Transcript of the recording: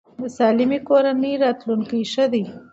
د سالمې کورنۍ راتلونکی ښه دی.